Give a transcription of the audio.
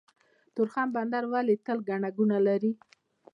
تورخم بندر ولې تل ګڼه ګوڼه لري؟